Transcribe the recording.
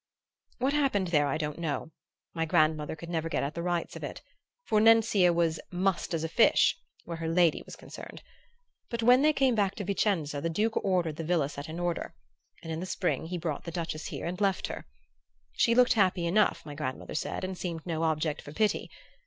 "What happened there I don't know my grandmother could never get at the rights of it, for Nencia was mute as a fish where her lady was concerned but when they came back to Vicenza the Duke ordered the villa set in order; and in the spring he brought the Duchess here and left her. She looked happy enough, my grandmother said, and seemed no object for pity.